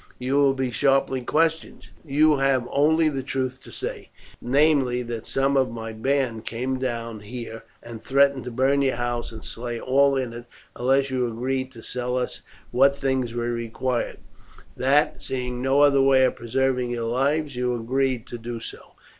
You will be sharply questioned. You have only the truth to say, namely, that some of my band came down here and threatened to burn your house and slay all in it unless you agreed to sell us what things we required; that, seeing no other way of preserving your lives, you agreed to do so.